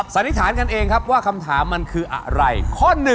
สันนิษฐานกันเองครับว่าคำถามมันคืออะไรข้อ๑